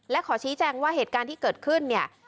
และขอชี้แจงว่าเหตุการณ์ที่เกิดขึ้นเนี่ย